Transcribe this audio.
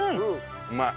うまい。